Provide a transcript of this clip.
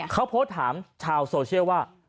เขาโพสต์ถามชาวโซเชียลว่า